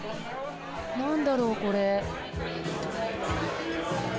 何だろうこれ。